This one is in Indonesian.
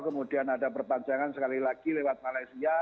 kemudian ada perpanjangan sekali lagi lewat malaysia